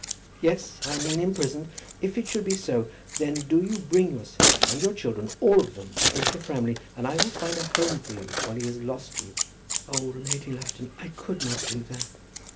"Yes, I mean imprisoned. If it should be so, then do you bring yourself and your children, all of them, over to Framley, and I will find a home for you while he is lost to you." "Oh, Lady Lufton; I could not do that."